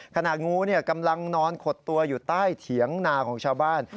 งูกำลังนอนขดตัวอยู่ใต้เถียงนาของชาวบ้าน